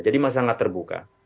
jadi masih sangat terbuka